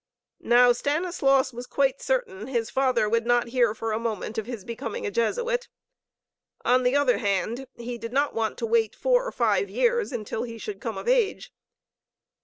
Now, Stanislaus was quite certain his father would not hear for a moment of his becoming a Jesuit. On the other hand, he did not want to wait four or five years until he should come of age.